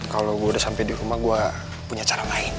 kalau gue udah sampai di rumah gue punya cara lain